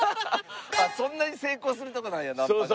そんなに成功するとこなんやナンパが。